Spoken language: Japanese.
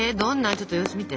ちょっと様子見て。